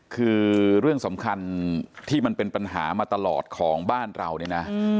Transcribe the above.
คือเรื่องสำคัญที่มันเป็นปัญหามาตลอดของบ้านเราเนี่ยนะ